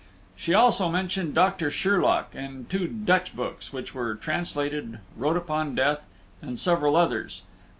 She also mentioned Doctor Sherlock, and two Dutch books, which were translated, wrote upon death, and several others.